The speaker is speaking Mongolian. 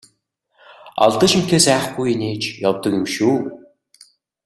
Алдаж эндэхээс айхгүй инээж явдаг юм шүү!